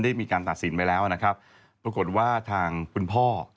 มีการตัดสินไปแล้วนะครับปรากฏว่าทางคุณพ่อ